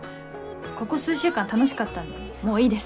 ここ数週間楽しかったんでもういいです。